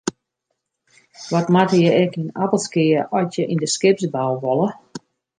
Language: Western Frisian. Wat moatte je ek yn Appelskea at je yn de skipsbou wolle?